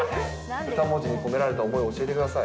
２文字に込められた思いを教えてください。